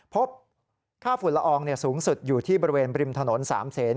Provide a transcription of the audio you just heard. พบค่าฝูระองสูงสุดอยู่ที่บริเวณริมฐานนทร๓เศส